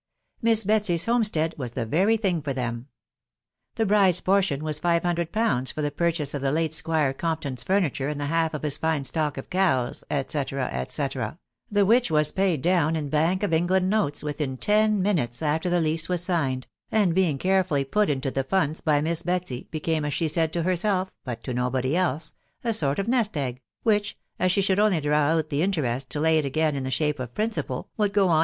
Miss Betsy's homestead was the very thing for them. The bride's portion was five hundred pounds for the pur chase of the late Squire Compton's furniture and the half of his fine stock of cows, &c, &c, the which was paid down in Bank of England notes within ten minutes after the lease was signed, and being carefully put into the funds by Miss Betsy, became, as she said to herself (but to nobody else), a sort of nest egg, which, as she should only draw out the in terest to lay it in again in the shape of ^ivkca^L^w&sSw ^ *s*.